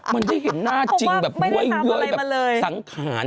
มันได้เห็นหน้าจริงแบบเว้ยแบบสังขาร